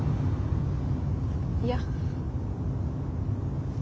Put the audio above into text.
いや。